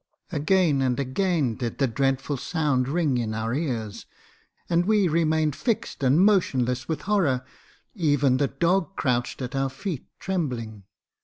Again and again did the dreadful sound ring in our ears, and we remained fixed and motionless with horror j even the dog crouched at our feet trembling.